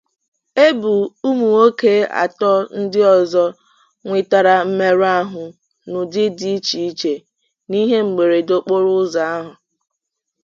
ebe ụmụnwoke atọ ndị ọzọ nwetara mmerụahụ n'ụdị dị icheiche n'ihe mberede okporoụzọ ahụ.